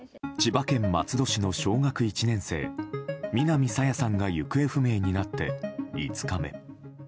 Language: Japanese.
千葉県松戸市の小学１年生南朝芽さんが行方不明になって５日目。